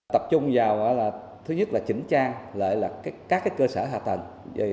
tập trung vào là thứ nhất là chỉnh trang lại là các cơ sở hạ tầng